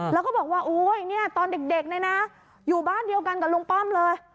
แล้วก็บอกว่าตอนเด็กอยู่บ้านเดียวกันกับลุงป้อมเลย